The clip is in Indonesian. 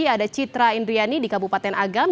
ada citra indriani di kabupaten agam